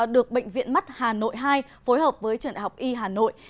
được bệnh viện mắt hà nội ii phối hợp với trận học y hà nội